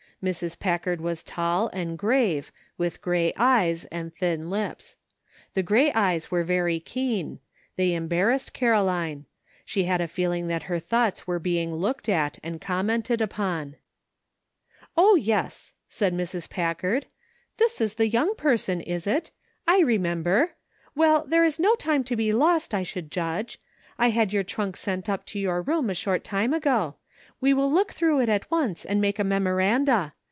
Mrs. Packard was tall and grave, with gray eyes and thin lips. The gray eyes were very keen; they embarrassed Caroline ; she had a feeling that her thoughts were being looked at and commented upon. " O, yes !" said Mrs. Packard ;'' this is the young person, is it? I remember. Well, there is no time to be lost, I should judge. I had your trunk sent up to your room a short time ago. "We will look through it at once and make a memoranda.